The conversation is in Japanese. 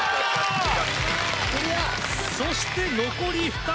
そして残り２人。